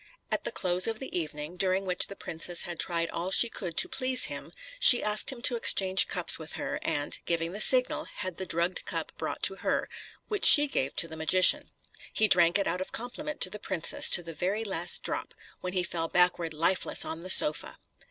At the close of the evening, during which the princess had tried all she could to please him, she asked him to exchange cups with her, and, giving the signal, had the drugged cup brought to her, which she gave to the magician. He drank it out of compliment to the princess to the very last drop, when he fell backward lifeless on the sofa.